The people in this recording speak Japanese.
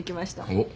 おっ。